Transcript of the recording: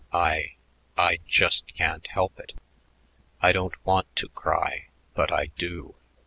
I I just can't help it. I don't want to cry, but I do."